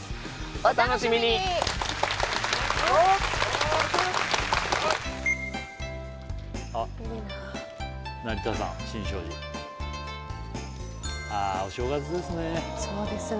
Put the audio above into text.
お楽しみにあお正月ですね